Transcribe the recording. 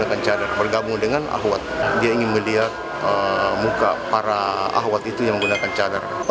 dia akan cadar bergabung dengan ahwat dia ingin melihat muka parahwat itu yang menggunakan cadar